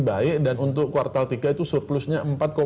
baik dan untuk kuartal tiga itu surplusnya